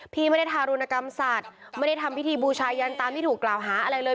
พี่ไม่ได้ทารุณกรรมสัตว์ไม่ได้ทำพิธีบูชายันตามที่ถูกกล่าวหาอะไรเลย